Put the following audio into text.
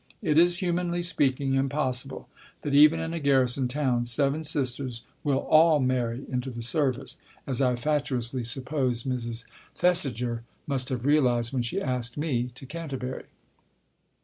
(It is, humanly speaking, impossible that, even in a garrison town, seven sisters will all marry into the Service, as I fatuously supposed Book I : My Book 21 Mrs. Thesiger must have realized when she asked me to Canterbury.)